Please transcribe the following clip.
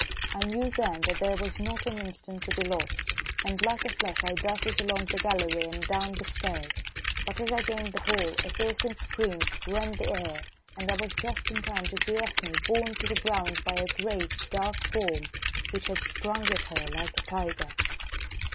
I knew then that there was not an instant to be lost, and like a flash I darted along the gallery and down the stairs. But ere I gained the hall a piercing scream rent the air, and I was just in time to see Ethne borne to the ground by a great, dark form, which had sprung at her like a tiger.